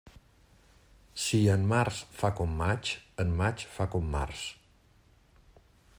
Si en març fa com maig, en maig fa com març.